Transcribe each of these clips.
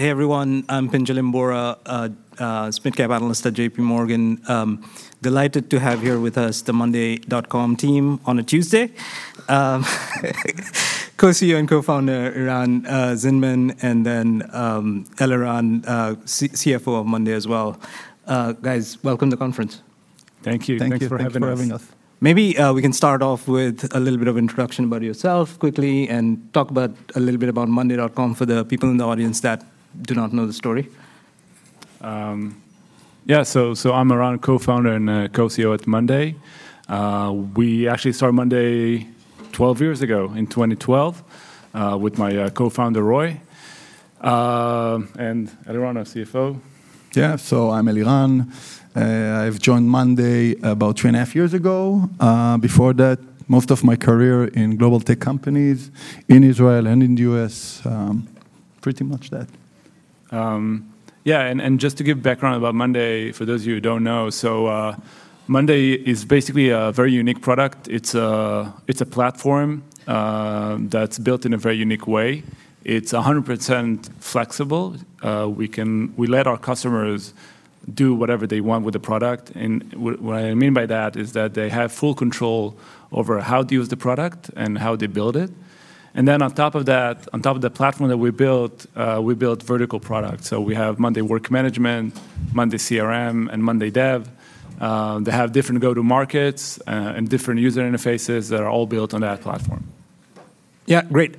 Hey, everyone, I'm Pinjalim Bora, mid-cap analyst at JPMorgan. Delighted to have here with us the monday.com team on a Tuesday. Co-CEO and Co-founder Eran Zinman, and then Eliran, CFO of monday.com as well. Guys, welcome to the conference. Thank you. Thank you for having us. Thanks for having us. Maybe, we can start off with a little bit of introduction about yourself quickly, and talk about a little bit about monday.com for the people in the audience that do not know the story. Yeah, I'm Eran, co-founder and co-CEO at Monday. We actually started Monday 12 years ago in 2012 with my co-founder, Roy, and Eliran, our CFO. Yeah, so I'm Eliran. I've joined monday.com about 3.5 years ago. Before that, most of my career in global tech companies in Israel and in the U.S. Pretty much that. Yeah, and just to give background about monday.com, for those of you who don't know, so, monday.com is basically a very unique product. It's a platform that's built in a very unique way. It's 100% flexible. We let our customers do whatever they want with the product, and what I mean by that is that they have full control over how to use the product and how they build it. And then on top of that, on top of the platform that we built, we built vertical products. So we have monday work management, monday CRM, and monday dev. They have different go-to-markets, and different user interfaces that are all built on that platform. Yeah, great.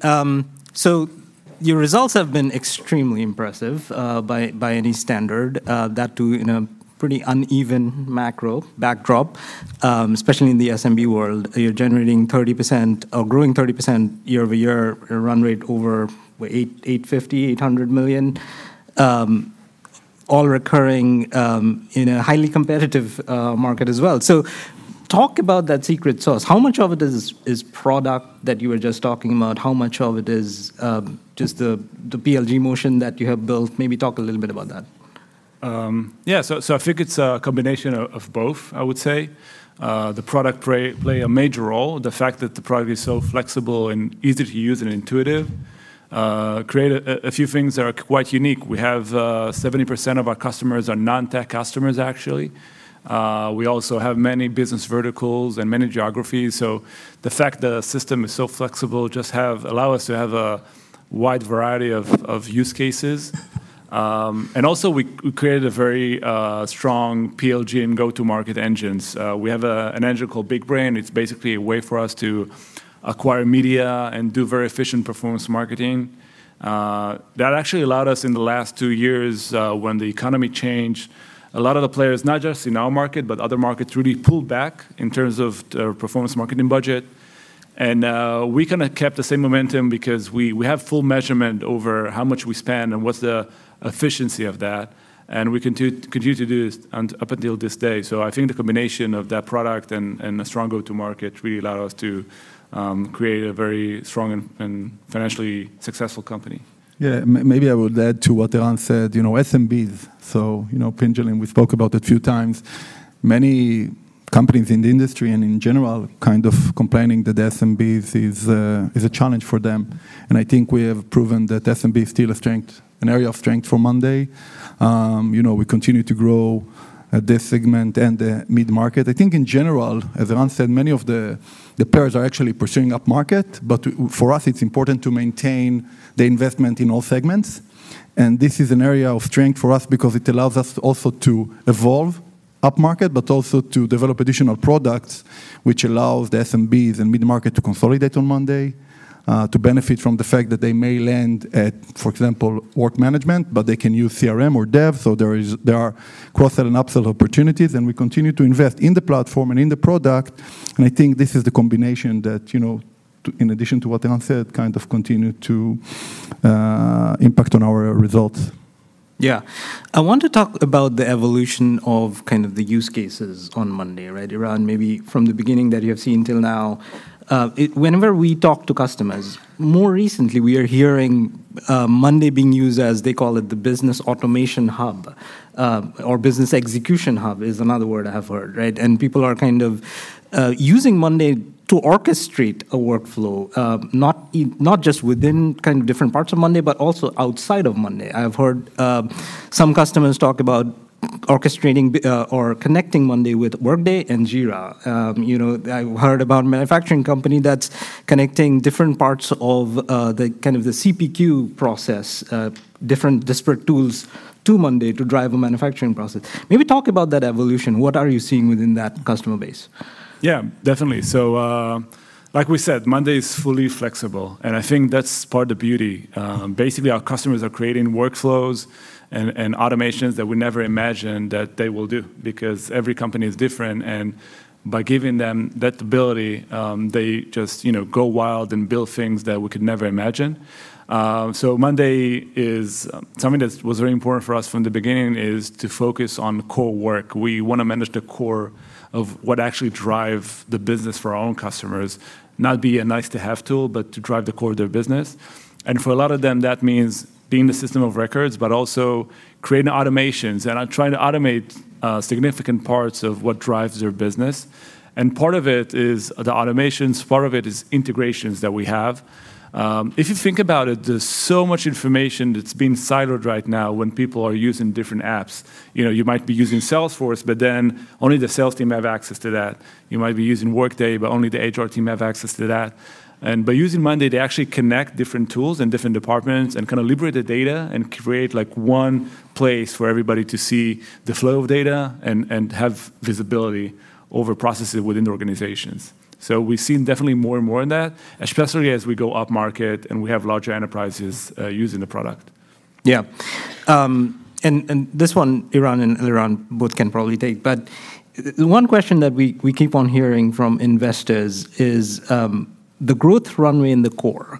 So your results have been extremely impressive, by any standard, that too in a pretty uneven macro backdrop. Especially in the SMB world, you're generating 30%, or growing 30% year-over-year, a run rate over what? $850 million, all recurring, in a highly competitive market as well. So talk about that secret sauce. How much of it is product that you were just talking about? How much of it is just the PLG motion that you have built? Maybe talk a little bit about that. Yeah, so I think it's a combination of both, I would say. The product play a major role. The fact that the product is so flexible and easy to use and intuitive, create a few things that are quite unique. We have 70% of our customers are non-tech customers, actually. We also have many business verticals and many geographies, so the fact that our system is so flexible just have, allow us to have a wide variety of use cases. And also we created a very strong PLG and go-to-market engines. We have an engine called BigBrain. It's basically a way for us to acquire media and do very efficient performance marketing. That actually allowed us in the last two years, when the economy changed, a lot of the players, not just in our market, but other markets, really pulled back in terms of their performance marketing budget. And, we kinda kept the same momentum because we have full measurement over how much we spend and what's the efficiency of that, and we continue to do this up until this day. So I think the combination of that product and a strong go-to-market really allowed us to create a very strong and financially successful company. Yeah, maybe I would add to what Eran said, you know, SMBs, so, you know, Pinjalim, we spoke about a few times, many companies in the industry and in general, kind of complaining that SMBs is, is a challenge for them, and I think we have proven that SMB is still a strength, an area of strength for monday.com. You know, we continue to grow this segment and the mid-market. I think in general, as Eran said, many of the players are actually pursuing upmarket, but for us, it's important to maintain the investment in all segments. This is an area of strength for us because it allows us also to evolve upmarket, but also to develop additional products, which allows the SMBs and mid-market to consolidate on monday.com to benefit from the fact that they may land at, for example, work management, but they can use CRM or dev. So there are cross-sell and upsell opportunities, and we continue to invest in the platform and in the product, and I think this is the combination that, you know, to, in addition to what Eran said, kind of continue to impact on our results. Yeah. I want to talk about the evolution of kind of the use cases on Monday, right, Eran, maybe from the beginning that you have seen till now. Whenever we talk to customers, more recently, we are hearing Monday being used as they call it, the business automation hub, or business execution hub is another word I have heard, right? And people are kind of using Monday to orchestrate a workflow, not just within kind of different parts of Monday, but also outside of Monday. I've heard some customers talk about orchestrating or connecting Monday with Workday and Jira. You know, I heard about a manufacturing company that's connecting different parts of the kind of the CPQ process, different disparate tools to Monday to drive a manufacturing process. Maybe talk about that evolution. What are you seeing within that customer base? Yeah, definitely. So, like we said, Monday is fully flexible, and I think that's part of the beauty. Basically, our customers are creating workflows and automations that we never imagined that they will do because every company is different, and by giving them that ability, they just, you know, go wild and build things that we could never imagine. So Monday is... Something that was very important for us from the beginning is to focus on core work. We want to manage the core of what actually drive the business for our own customers, not be a nice-to-have tool, but to drive the core of their business. And for a lot of them, that means being the system of records, but also creating automations, and trying to automate significant parts of what drives their business. And part of it is the automations, part of it is integrations that we have. If you think about it, there's so much information that's being siloed right now when people are using different apps. You know, you might be using Salesforce, but then only the sales team have access to that. You might be using Workday, but only the HR team have access to that. And by using monday.com, they actually connect different tools and different departments and kinda liberate the data and create, like, one place for everybody to see the flow of data and, and have visibility over processes within the organizations. So we've seen definitely more and more in that, especially as we go upmarket and we have larger enterprises, using the product.... Yeah. And this one, Eran and Eliran both can probably take, but the one question that we keep on hearing from investors is the growth runway in the core.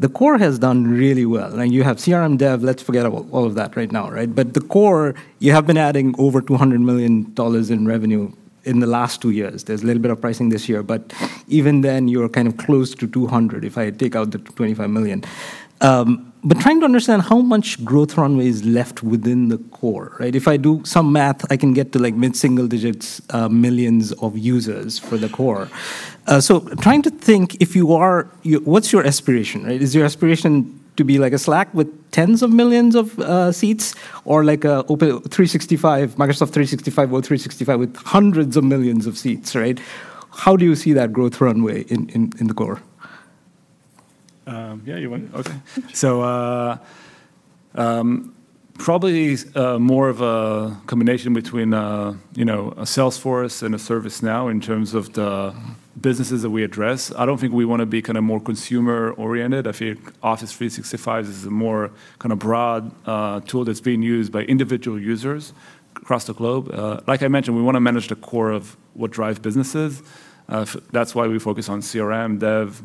The core has done really well. Now, you have CRM dev, let's forget about all of that right now, right? But the core, you have been adding over $200 million in revenue in the last two years. There's a little bit of pricing this year, but even then, you're kind of close to $200, if I take out the $25 million. But trying to understand how much growth runway is left within the core, right? If I do some math, I can get to, like, mid-single digits millions of users for the core. So trying to think, if you are- you, what's your aspiration, right? Is your aspiration to be like a Slack with tens of millions of seats, or like a Office 365, Microsoft 365 or O365 with hundreds of millions of seats, right? How do you see that growth runway in the core? Yeah, you want it? Okay. So, probably, more of a combination between, you know, a Salesforce and a ServiceNow in terms of the businesses that we address. I don't think we wanna be kinda more consumer-oriented. I feel Office 365 is a more kinda broad, tool that's being used by individual users across the globe. Like I mentioned, we wanna manage the core of what drives businesses. That's why we focus on CRM, dev,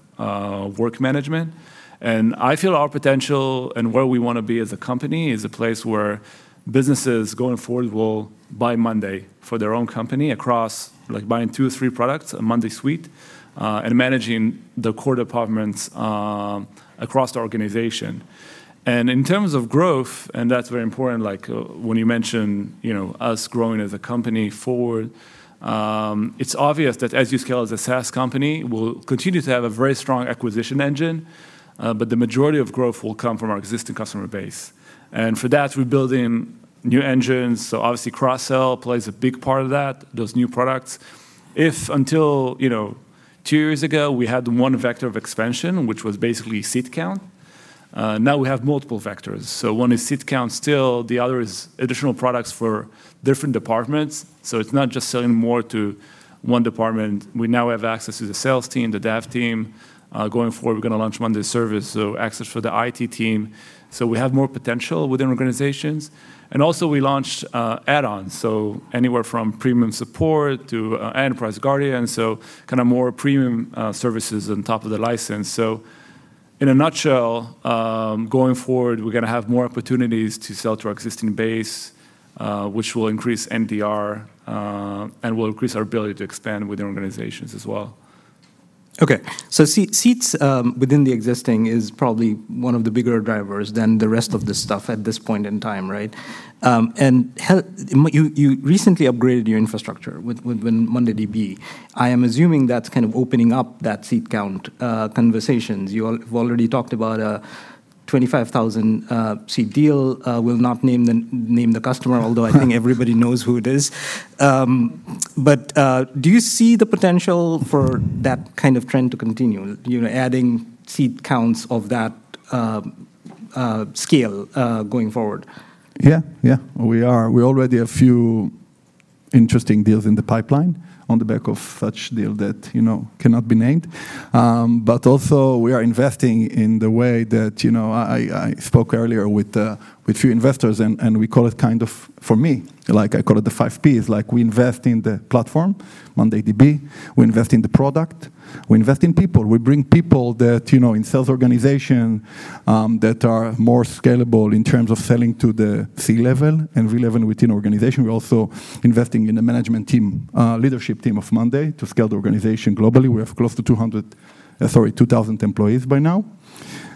work management. And I feel our potential and where we wanna be as a company is a place where businesses going forward will buy Monday for their own company across, like, buying two or three products, a Monday suite, and managing the core departments, across the organization. In terms of growth, and that's very important, like, when you mention, you know, us growing as a company forward, it's obvious that as you scale as a SaaS company, we'll continue to have a very strong acquisition engine, but the majority of growth will come from our existing customer base. For that, we're building new engines, so obviously, cross-sell plays a big part of that, those new products. If until, you know, two years ago, we had one vector of expansion, which was basically seat count, now we have multiple vectors. One is seat count still, the other is additional products for different departments, so it's not just selling more to one department. We now have access to the sales team, the dev team. Going forward, we're gonna launch monday service, so access for the IT team, so we have more potential within organizations. And also, we launched add-ons, so anywhere from premium support to Enterprise Guardian, so kinda more premium services on top of the license. So in a nutshell, going forward, we're gonna have more opportunities to sell to our existing base, which will increase NDR, and will increase our ability to expand with the organizations as well. Okay, so seats within the existing is probably one of the bigger drivers than the rest of the stuff at this point in time, right? You recently upgraded your infrastructure with mondayDB. I am assuming that's kind of opening up that seat count conversations. You already talked about a 25,000 seat deal. I will not name the customer although I think everybody knows who it is. But do you see the potential for that kind of trend to continue, you know, adding seat counts of that scale going forward? Yeah, yeah. We are. We already have a few interesting deals in the pipeline on the back of such deal that, you know, cannot be named. But also, we are investing in the way that, you know, I, I, I spoke earlier with few investors, and, and we call it kind of, for me, like, I call it the five Ps. Like, we invest in the platform, mondayDB, we invest in the product, we invest in people. We bring people that, you know, in sales organization, that are more scalable in terms of selling to the C-level and relevant within organization. We're also investing in the management team, leadership team of Monday, to scale the organization globally. We have close to 200, sorry, 2,000 employees by now.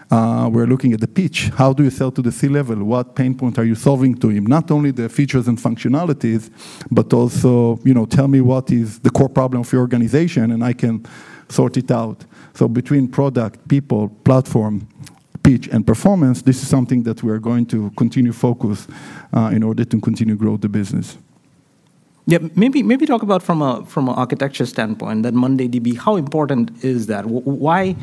We're looking at the pitch. How do you sell to the C-level? What pain point are you solving to him? Not only the features and functionalities, but also, you know, tell me what is the core problem of your organization, and I can sort it out. So between product, people, platform, pitch, and performance, this is something that we are going to continue to focus in order to continue to grow the business. Yeah. Maybe talk about from a architecture standpoint, that mondayDB, how important is that? Why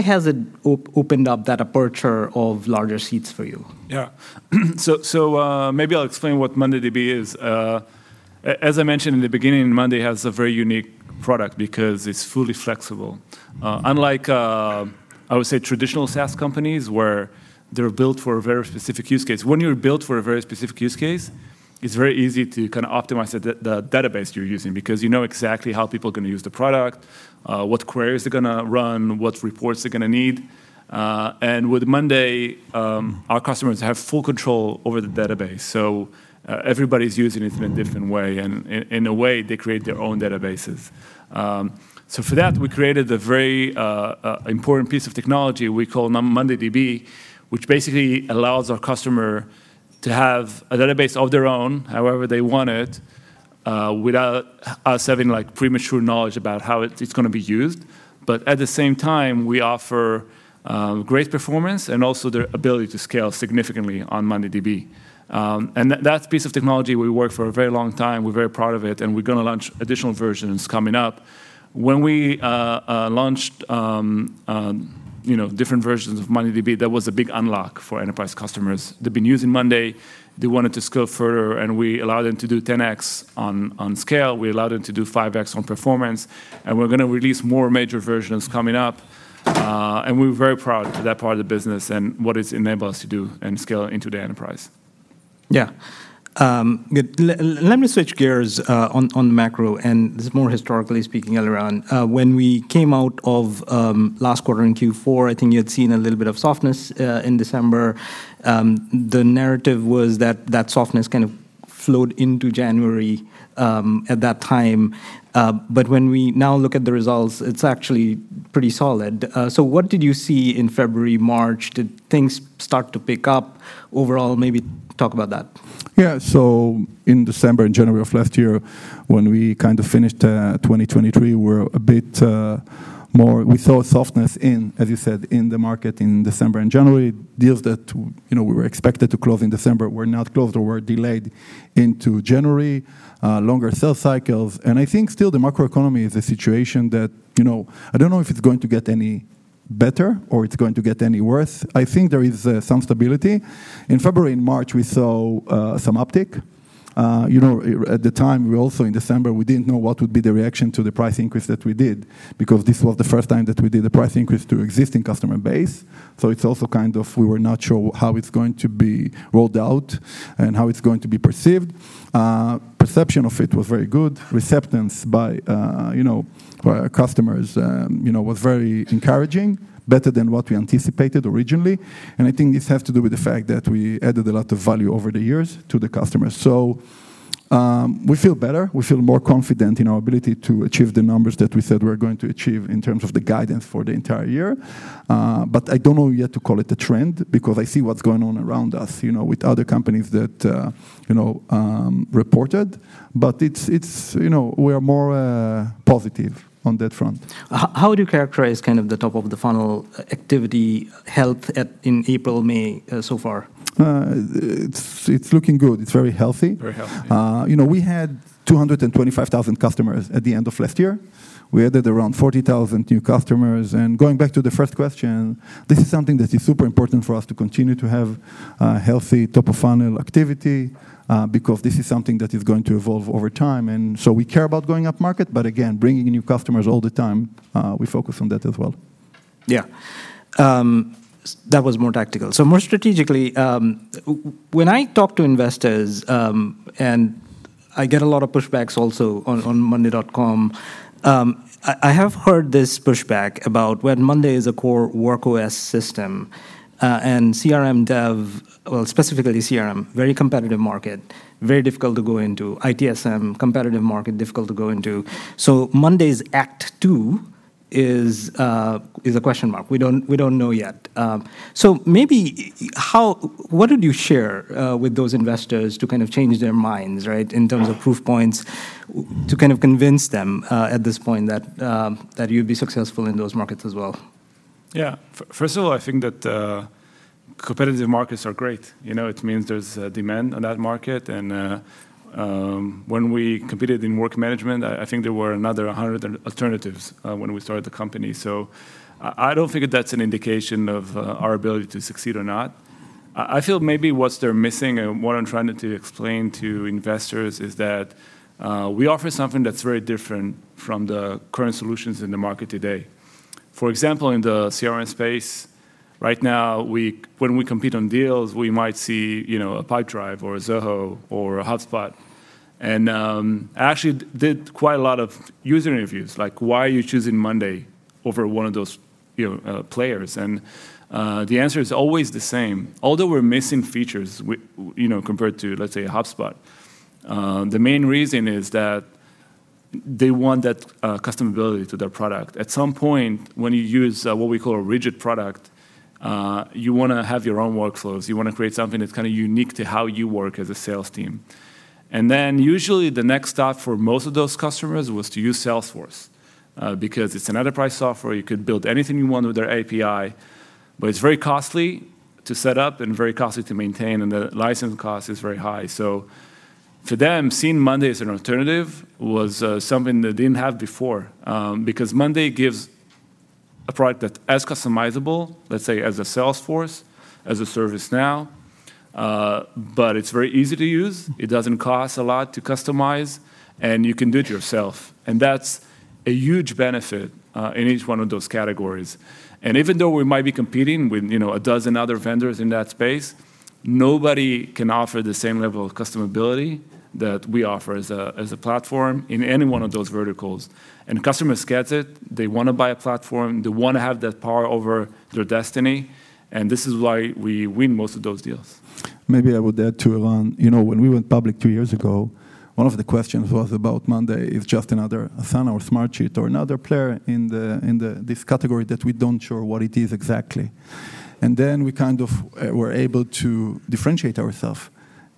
has it opened up that aperture of larger seats for you? Yeah. So, maybe I'll explain what mondayDB is. As I mentioned in the beginning, monday.com has a very unique product because it's fully flexible. Unlike, I would say, traditional SaaS companies, where they're built for a very specific use case, when you're built for a very specific use case, it's very easy to kinda optimize the database you're using, because you know exactly how people are gonna use the product, what queries they're gonna run, what reports they're gonna need. And with monday.com, our customers have full control over the database, so, everybody's using it in a different way, and in a way, they create their own databases. So for that, we created a very important piece of technology we call mondayDB, which basically allows our customer to have a database of their own, however they want it, without us having, like, premature knowledge about how it, it's gonna be used. But at the same time, we offer great performance and also the ability to scale significantly on mondayDB. And that piece of technology, we worked for a very long time. We're very proud of it, and we're gonna launch additional versions coming up. When we launched, you know, different versions of mondayDB, that was a big unlock for enterprise customers. They've been using Monday. They wanted to scale further, and we allowed them to do 10x on scale, we allowed them to do 5x on performance, and we're gonna release more major versions coming up. And we're very proud of that part of the business, and what it's enabled us to do, and scale into the enterprise. ... Yeah. Good. Let me switch gears on the macro, and this is more historically speaking, Eliran. When we came out of last quarter in Q4, I think you had seen a little bit of softness in December. The narrative was that that softness kind of flowed into January at that time. But when we now look at the results, it's actually pretty solid. So what did you see in February, March? Did things start to pick up overall? Maybe talk about that. Yeah. So in December and January of last year, when we kind of finished 2023, we were a bit more. We saw a softness in, as you said, in the market in December and January. Deals that, you know, were expected to close in December were not closed or were delayed into January, longer sales cycles. And I think still the macroeconomy is a situation that, you know, I don't know if it's going to get any better or it's going to get any worse. I think there is some stability. In February and March, we saw some uptick. You know, it, at the time, we also in December, we didn't know what would be the reaction to the price increase that we did, because this was the first time that we did a price increase to existing customer base. So it's also kind of we were not sure how it's going to be rolled out and how it's going to be perceived. Perception of it was very good. Reception by, you know, by our customers, you know, was very encouraging, better than what we anticipated originally. And I think this has to do with the fact that we added a lot of value over the years to the customers. So, we feel better. We feel more confident in our ability to achieve the numbers that we said we're going to achieve in terms of the guidance for the entire year. But I don't know yet to call it a trend because I see what's going on around us, you know, with other companies that, you know, reported, but it's, you know, we are more positive on that front. How, how would you characterize kind of the top-of-the-funnel activity health at in April, May, so far? It's, it's looking good. It's very healthy. Very healthy. You know, we had 225,000 customers at the end of last year. We added around 40,000 new customers. And going back to the first question, this is something that is super important for us to continue to have a healthy top-of-funnel activity, because this is something that is going to evolve over time. And so we care about going upmarket, but again, bringing in new customers all the time, we focus on that as well. Yeah. That was more tactical. So more strategically, when I talk to investors, and I get a lot of pushbacks also on monday.com, I have heard this pushback about when Monday is a core Work OS system, and CRM dev. Well, specifically CRM, very competitive market, very difficult to go into. ITSM, competitive market, difficult to go into. So Monday's act two is a question mark. We don't know yet. So maybe what did you share with those investors to kind of change their minds, right, in terms of proof points, to kind of convince them at this point, that you'd be successful in those markets as well? Yeah. First of all, I think that, competitive markets are great. You know, it means there's a demand in that market. And when we competed in work management, I think there were another 100 alternatives when we started the company. So I don't think that that's an indication of, our ability to succeed or not. I feel maybe what's they're missing, and what I'm trying to explain to investors, is that, we offer something that's very different from the current solutions in the market today. For example, in the CRM space, right now, we, when we compete on deals, we might see, you know, a Pipedrive or a Zoho or a HubSpot. I actually did quite a lot of user interviews, like, "Why are you choosing Monday over one of those, you know, players?" The answer is always the same. Although we're missing features, you know, compared to, let's say, a HubSpot, the main reason is that they want that customizability to their product. At some point, when you use what we call a rigid product, you wanna have your own workflows, you wanna create something that's kinda unique to how you work as a sales team. And then, usually, the next stop for most of those customers was to use Salesforce, because it's an enterprise software, you could build anything you want with their API, but it's very costly to set up and very costly to maintain, and the license cost is very high. So to them, seeing Monday as an alternative was, something they didn't have before, because Monday gives a product that's as customizable, let's say, as a Salesforce, as a ServiceNow, but it's very easy to use, it doesn't cost a lot to customize, and you can do it yourself. And that's a huge benefit, in each one of those categories. And even though we might be competing with, you know, a dozen other vendors in that space, nobody can offer the same level of customability that we offer as a, as a platform in any one of those verticals. And customers gets it, they wanna buy a platform, they wanna have that power over their destiny, and this is why we win most of those deals. Maybe I would add to, Eliran, you know, when we went public two years ago, one of the questions was about monday.com is just another Asana or Smartsheet or another player in the, in the, this category that we aren't sure what it is exactly. And then we kind of were able to differentiate ourselves,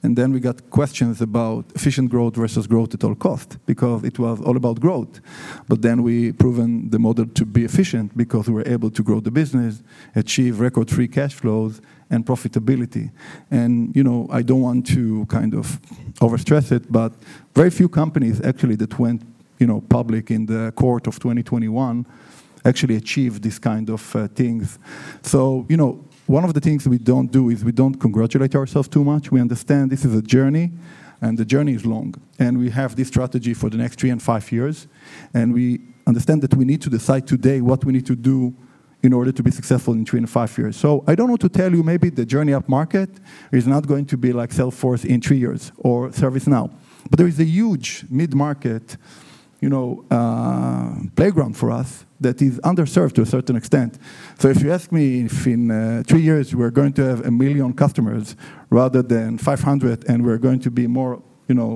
and then we got questions about efficient growth versus growth at all cost, because it was all about growth. But then we've proven the model to be efficient because we were able to grow the business, achieve record free cash flows and profitability. And, you know, I don't want to kind of overstress it, but very few companies actually that went, you know, public in the quarter of 2021 actually achieved these kind of things. So, you know, one of the things we don't do is we don't congratulate ourselves too much. We understand this is a journey, and the journey is long, and we have this strategy for the next 3 and 5 years, and we understand that we need to decide today what we need to do in order to be successful in between 5 years. So I don't know what to tell you. Maybe the journey upmarket is not going to be like Salesforce in 3 years or ServiceNow. But there is a huge mid-market, you know, playground for us that is underserved to a certain extent. So if you ask me if in 3 years we're going to have 1 million customers rather than 500, and we're going to be more, you know,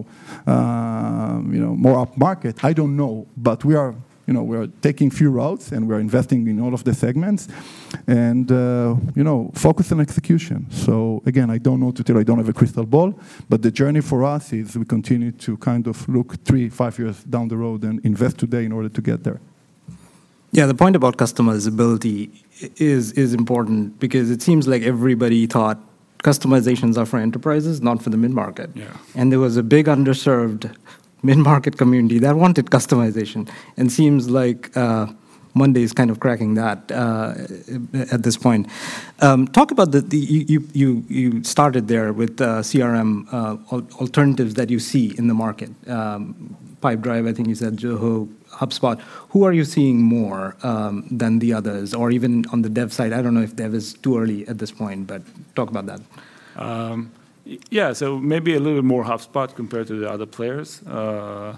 you know, more upmarket, I don't know. But we are, you know, we are taking a few routes, and we're investing in all of the segments and, you know, focus on execution. So again, I don't know what to tell you. I don't have a crystal ball, but the journey for us is we continue to kind of look three, five years down the road and invest today in order to get there. Yeah, the point about customizability is important because it seems like everybody thought customizations are for enterprises, not for the mid-market. Yeah. There was a big underserved mid-market community that wanted customization, and seems like Monday is kind of cracking that at this point. Talk about the you started there with CRM alternatives that you see in the market. Pipedrive, I think you said Zoho, HubSpot. Who are you seeing more than the others, or even on the dev side? I don't know if dev is too early at this point, but talk about that. Yeah, so maybe a little bit more HubSpot compared to the other players. But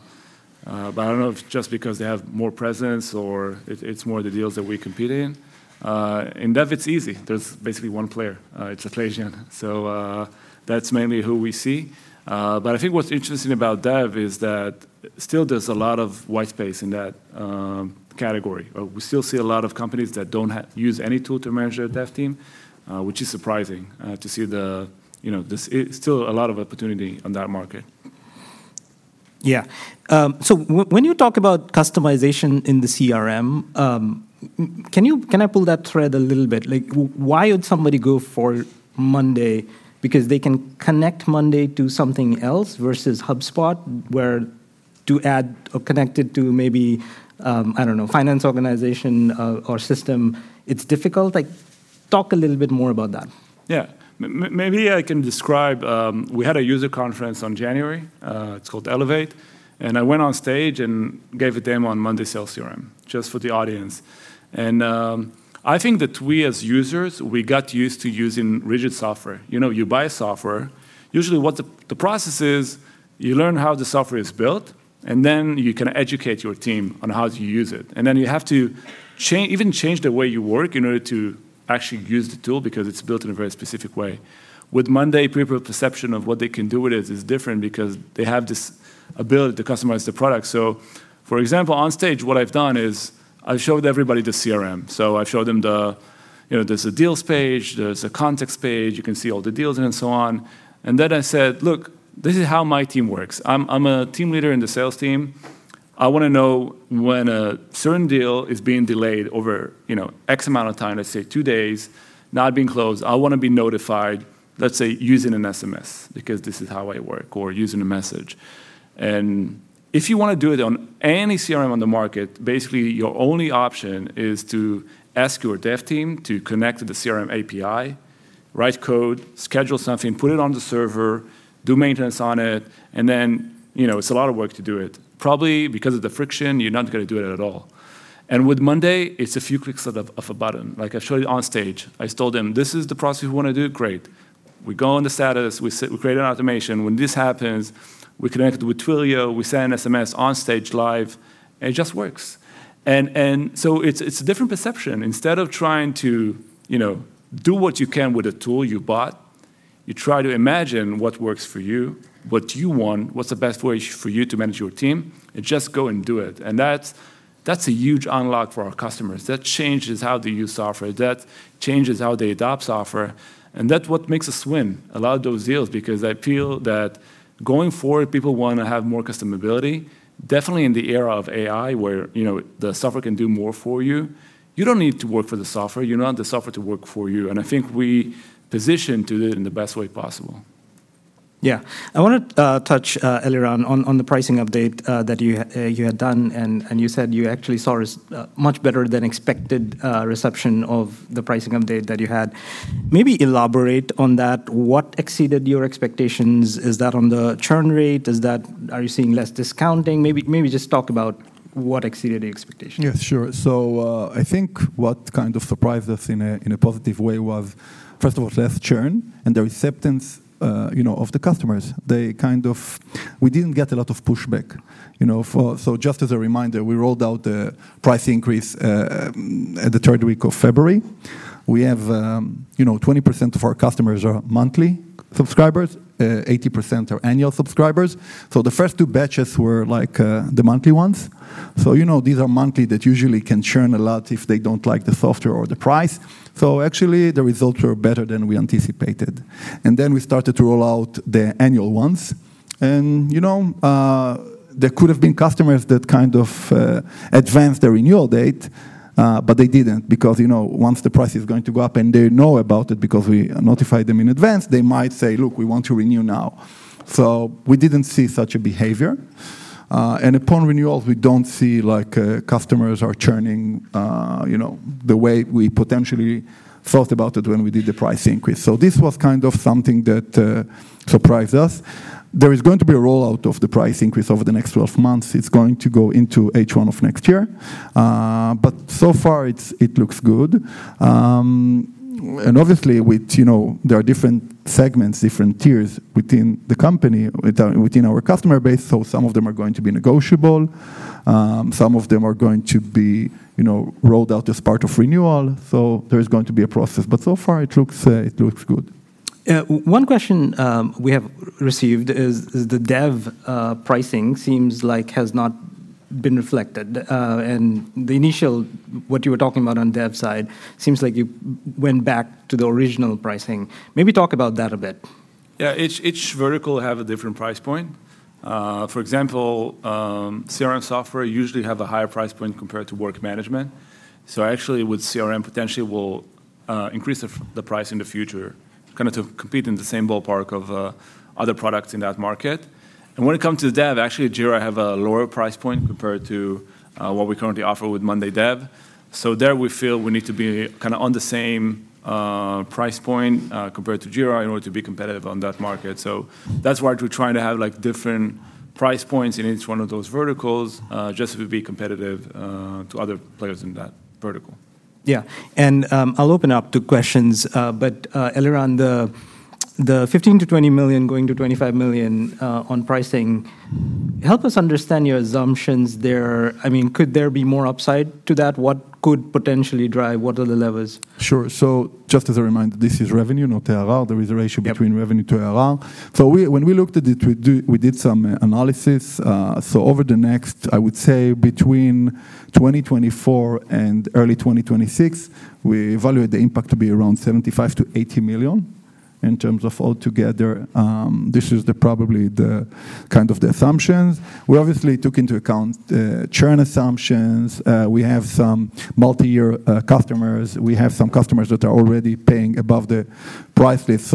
I don't know if just because they have more presence or it, it's more the deals that we compete in. In dev, it's easy. There's basically one player, it's Atlassian, so that's mainly who we see. But I think what's interesting about dev is that still there's a lot of white space in that category. We still see a lot of companies that don't use any tool to manage their dev team, which is surprising to see the, you know, there's still a lot of opportunity on that market. Yeah. So when you talk about customization in the CRM, can I pull that thread a little bit? Like, why would somebody go for Monday? Because they can connect Monday to something else versus HubSpot, where to add or connect it to maybe, I don't know, finance organization, or system, it's difficult. Like, talk a little bit more about that. Yeah. Maybe I can describe. We had a user conference on January. It's called Elevate, and I went on stage and gave a demo on monday sales CRM just for the audience. And I think that we as users, we got used to using rigid software. You know, you buy a software. Usually what the process is, you learn how the software is built, and then you can educate your team on how to use it. And then you have to change even the way you work in order to actually use the tool because it's built in a very specific way. With monday, people's perception of what they can do with it is different because they have this ability to customize the product. So, for example, on stage, what I've done is I showed everybody the CRM. So I showed them the, you know, there's a deals page, there's a contacts page, you can see all the deals and so on. And then I said, "Look, this is how my team works. I'm a team leader in the sales team. I wanna know when a certain deal is being delayed over, you know, X amount of time, let's say two days, not being closed. I wanna be notified, let's say, using an SMS, because this is how I work, or using a message." If you wanna do it on any CRM on the market, basically your only option is to ask your dev team to connect to the CRM API, write code, schedule something, put it on the server, do maintenance on it, and then, you know, it's a lot of work to do it. Probably because of the friction, you're not gonna do it at all. And with Monday, it's a few clicks of a button, like I showed you on stage. I told them, "This is the process we wanna do? Great." We go on the status, we create an automation. When this happens, we connect with Twilio, we send SMS on stage live, and it just works. And so it's a different perception. Instead of trying to, you know, do what you can with the tool you bought, you try to imagine what works for you, what you want, what's the best way for you to manage your team, and just go and do it. And that's a huge unlock for our customers. That changes how they use software. That changes how they adopt software, and that's what makes us win a lot of those deals. Because I feel that going forward, people want to have more customizability. Definitely in the era of AI, where, you know, the software can do more for you, you don't need to work for the software, you want the software to work for you, and I think we position to do it in the best way possible. Yeah. I wanna touch Eliran on the pricing update that you had done, and you said you actually saw a much better-than-expected reception of the pricing update that you had. Maybe elaborate on that. What exceeded your expectations? Is that on the churn rate? Is that, are you seeing less discounting? Maybe just talk about what exceeded the expectations. Yeah, sure. So, I think what kind of surprised us in a positive way was, first of all, less churn and the acceptance, you know, of the customers. They kind of, we didn't get a lot of pushback, you know, for. So just as a reminder, we rolled out the price increase at the third week of February. We have, you know, 20% of our customers are monthly subscribers, 80% are annual subscribers. So the first 2 batches were, like, the monthly ones. So, you know, these are monthly, that usually can churn a lot if they don't like the software or the price. So actually, the results were better than we anticipated. And then we started to roll out the annual ones, and, you know, there could have been customers that kind of advanced their renewal date, but they didn't, because, you know, once the price is going to go up and they know about it because we notified them in advance, they might say, "Look, we want to renew now." So we didn't see such a behavior. And upon renewals, we don't see, like, customers are churning, you know, the way we potentially thought about it when we did the price increase. So this was kind of something that surprised us. There is going to be a rollout of the price increase over the next 12 months. It's going to go into H1 of next year. But so far, it's, it looks good. And obviously, with you know, there are different segments, different tiers within the company, within our customer base, so some of them are going to be negotiable. Some of them are going to be, you know, rolled out as part of renewal, so there is going to be a process, but so far it looks good. One question we have received is, is the dev pricing seems like has not been reflected. And the initial what you were talking about on dev side seems like you went back to the original pricing. Maybe talk about that a bit. Yeah, each vertical have a different price point. For example, CRM software usually have a higher price point compared to work management. So actually, with CRM, potentially we'll increase the price in the future, kind of to compete in the same ballpark of other products in that market. And when it comes to dev, actually, Jira have a lower price point compared to what we currently offer with monday dev. So there, we feel we need to be kinda on the same price point compared to Jira in order to be competitive on that market. So that's why we're trying to have, like, different price points in each one of those verticals just to be competitive to other players in that vertical. Yeah, and I'll open up to questions. But Eliran, the $15-$20 million going to $25 million on pricing, help us understand your assumptions there. I mean, could there be more upside to that? What could potentially drive? What are the levers? Sure. So just as a reminder, this is revenue, not ARR. There is a ratio- Yep... between revenue to ARR. So we, when we looked at it, we did some analysis. So over the next, I would say between 2024 and early 2026, we evaluate the impact to be around $75 million-$80 million in terms of altogether. This is probably the kind of assumptions. We obviously took into account the churn assumptions. We have some multi-year customers. We have some customers that are already paying above the price list.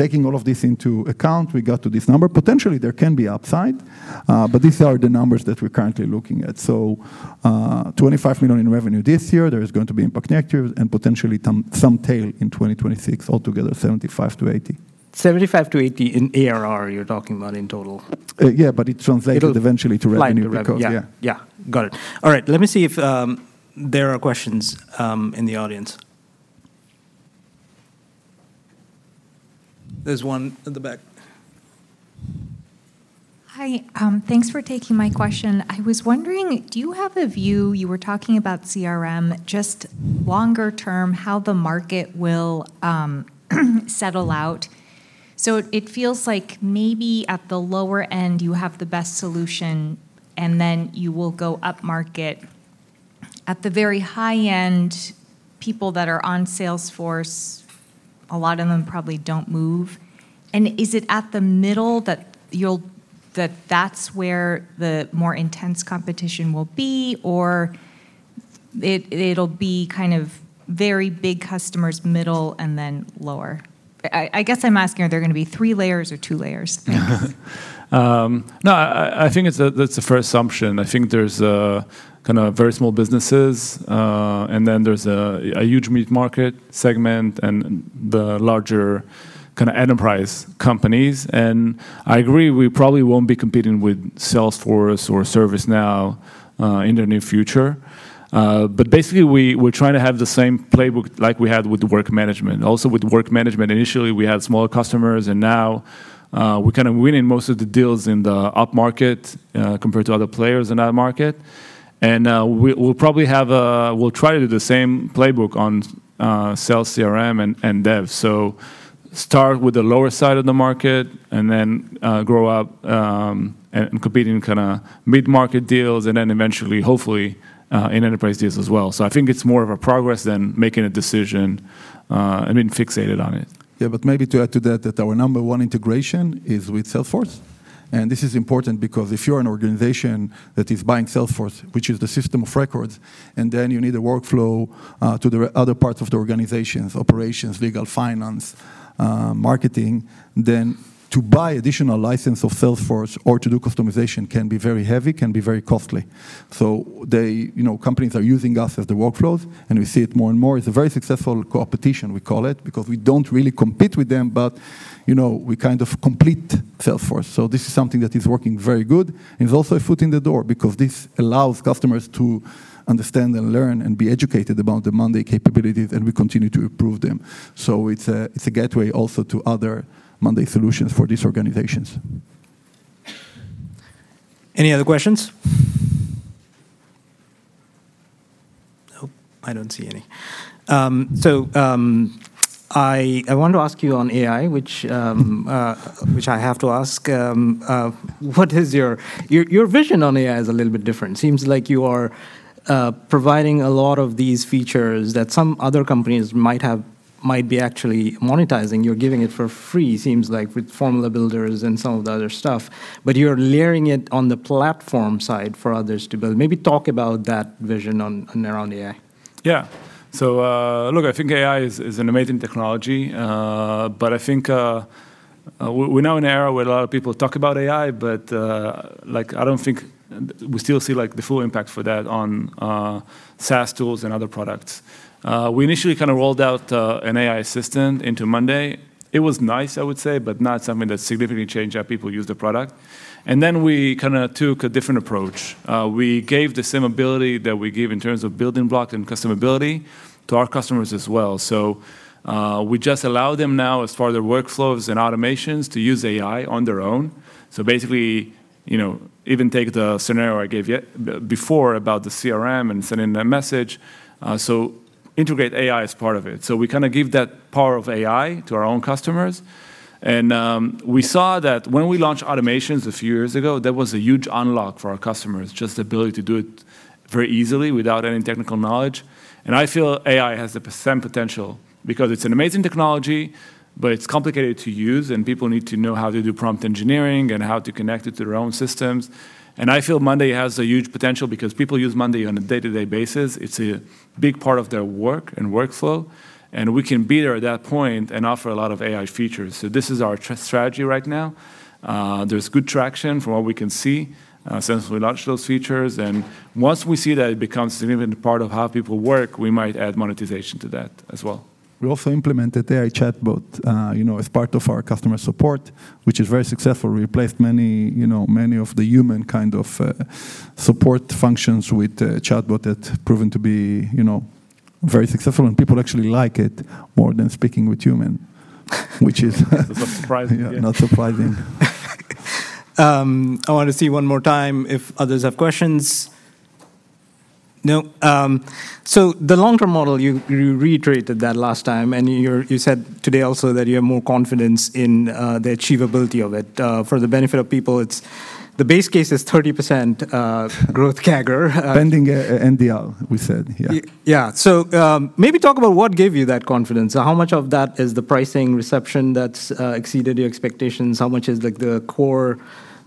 So taking all of this into account, we got to this number. Potentially, there can be upside, but these are the numbers that we're currently looking at. So, $25 million in revenue this year, there is going to be impact next year, and potentially some tail in 2026, altogether $75-$80 million. $75-$80 in ARR, you're talking about in total? Yeah, but it translates- It'll-... eventually to revenue- Slide to the revenue. Because, yeah. Yeah. Got it. All right, let me see if there are questions in the audience. There's one at the back. Hi. Thanks for taking my question. I was wondering, do you have a view... You were talking about CRM, just longer term, how the market will settle out? So it feels like maybe at the lower end, you have the best solution, and then you will go upmarket. At the very high end, people that are on Salesforce, a lot of them probably don't move. And is it at the middle that that's where the more intense competition will be, or it, it'll be kind of very big customers, middle, and then lower? I, I guess I'm asking, are there gonna be three layers or two layers? No, I think that's a fair assumption. I think there's kinda very small businesses, and then there's a huge mid-market segment, and the larger kinda enterprise companies. I agree, we probably won't be competing with Salesforce or ServiceNow in the near future. But basically, we're trying to have the same playbook like we had with the work management. Also, with work management, initially, we had smaller customers, and now we're kind of winning most of the deals in the upmarket compared to other players in that market. We'll try to do the same playbook on sales, CRM, and dev. So start with the lower side of the market and then, grow up, and competing in kinda mid-market deals and then eventually, hopefully, in enterprise deals as well. So I think it's more of a progress than making a decision, and being fixated on it. Yeah, but maybe to add to that, that our number one integration is with Salesforce, and this is important because if you're an organization that is buying Salesforce, which is the system of records, and then you need a workflow to the other parts of the organizations, operations, legal, finance, marketing, then to buy additional license of Salesforce or to do customization can be very heavy, can be very costly. So they, you know, companies are using us as the workflows, and we see it more and more. It's a very successful competition, we call it, because we don't really compete with them, but, you know, we kind of complete Salesforce. So this is something that is working very good, and it's also a foot in the door because this allows customers to understand and learn and be educated about the Monday capabilities, and we continue to improve them. So it's a gateway also to other Monday solutions for these organizations. Any other questions? Nope, I don't see any. So, I want to ask you on AI, which I have to ask: what is your... Your vision on AI is a little bit different. Seems like you are providing a lot of these features that some other companies might have, might be actually monetizing. You're giving it for free, seems like, with formula builders and some of the other stuff, but you're layering it on the platform side for others to build. Maybe talk about that vision on around AI.... Yeah. So, look, I think AI is an amazing technology, but I think we're now in an era where a lot of people talk about AI, but like, I don't think we still see like the full impact for that on SaaS tools and other products. We initially kind of rolled out an AI assistant into monday.com. It was nice, I would say, but not something that significantly changed how people use the product. And then we kinda took a different approach. We gave the same ability that we gave in terms of building block and customability to our customers as well. So, we just allow them now, as far as their workflows and automations, to use AI on their own. So basically, you know, even take the scenario I gave you before about the CRM and sending that message, so integrate AI as part of it. So we kind of give that power of AI to our own customers, and we saw that when we launched automations a few years ago, that was a huge unlock for our customers, just the ability to do it very easily without any technical knowledge. And I feel AI has the same potential because it's an amazing technology, but it's complicated to use, and people need to know how to do prompt engineering and how to connect it to their own systems. And I feel Monday has a huge potential because people use Monday on a day-to-day basis. It's a big part of their work and workflow, and we can be there at that point and offer a lot of AI features. So this is our strategy right now. There's good traction from what we can see, since we launched those features, and once we see that it becomes a significant part of how people work, we might add monetization to that as well. We also implemented AI chatbot, you know, as part of our customer support, which is very successful. We replaced many, you know, many of the human kind of support functions with a chatbot that proven to be, you know, very successful, and people actually like it more than speaking with human, which is- Surprising. Not surprising. I want to see one more time if others have questions. No? So the long-term model, you, you reiterated that last time, and you're, you said today also that you have more confidence in the achievability of it. For the benefit of people, it's the base case is 30% growth CAGR. Pending NDR, we said, yeah. Yeah. So, maybe talk about what gave you that confidence. How much of that is the pricing reception that's exceeded your expectations? How much is, like, the core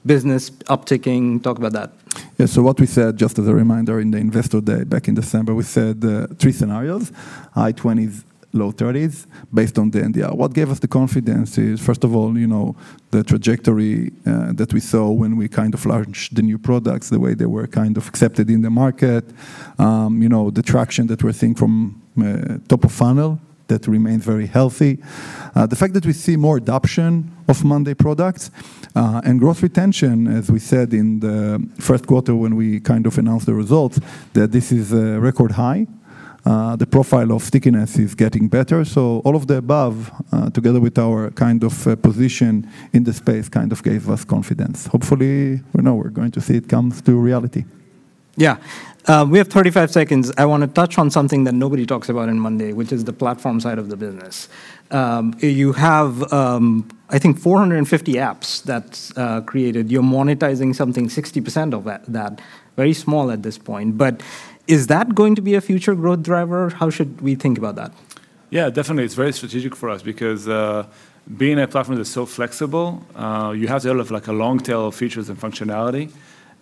business upticking? Talk about that. Yeah, so what we said, just as a reminder, in the Investor Day back in December, we said, three scenarios: high 20s-low 30s, based on the NDR. What gave us the confidence is, first of all, you know, the trajectory, that we saw when we kind of launched the new products, the way they were kind of accepted in the market. You know, the traction that we're seeing from, top of funnel, that remains very healthy. The fact that we see more adoption of monday products, and growth retention, as we said in the first quarter when we kind of announced the results, that this is a record high. The profile of stickiness is getting better. So all of the above, together with our kind of, position in the space, kind of gave us confidence. Hopefully, we know we're going to see it come to reality. Yeah. We have 35 seconds. I want to touch on something that nobody talks about in monday.com, which is the platform side of the business. You have, I think 450 apps that's created. You're monetizing something, 60% of that, that. Very small at this point, but is that going to be a future growth driver? How should we think about that? Yeah, definitely. It's very strategic for us because, being a platform that's so flexible, you have to have, like, a long tail of features and functionality,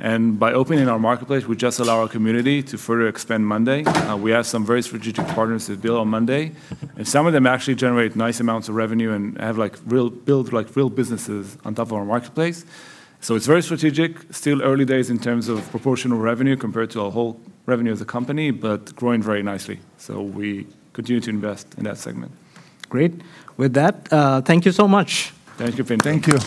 and by opening our marketplace, we just allow our community to further expand monday.com. We have some very strategic partners that build on monday.com, and some of them actually generate nice amounts of revenue and have, like, real businesses on top of our marketplace. So it's very strategic. Still early days in terms of proportional revenue compared to our whole revenue as a company, but growing very nicely, so we continue to invest in that segment. Great. With that, thank you so much. Thank you, Pin. Thank you.